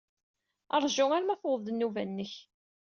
Ṛju arma tuweḍ-d nnubba-nnek.